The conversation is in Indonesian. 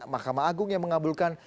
mahkamah agung yang mengabulkan